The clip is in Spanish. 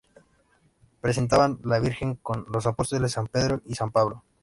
Representaban la Virgen con los apóstoles San Pedro y San Pablo.